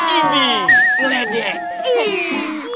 ini boleh deh